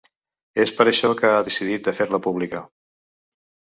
És per això que ha decidit de fer-la pública.